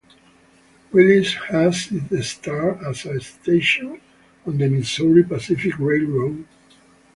Willis had its start as a station on the Missouri Pacific Railroad.